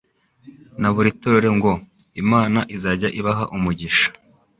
na buri torero ngo: “Imana izajya ibaha umugisha